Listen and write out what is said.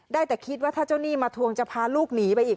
ได้แต่คิดว่าถ้าเจ้าหนี้มาทวงจะพาลูกหนีไปอีก